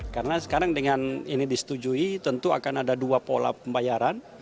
karena sekarang dengan ini disetujui tentu akan ada dua pola pembayaran